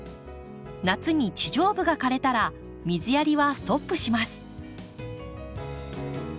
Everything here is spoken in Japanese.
夏に地上部が枯れたら水やりはストップします。